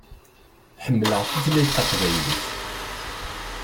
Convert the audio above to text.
Ḥemmleɣ tutlayt taqbaylit.